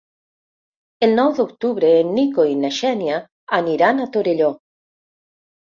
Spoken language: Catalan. El nou d'octubre en Nico i na Xènia aniran a Torelló.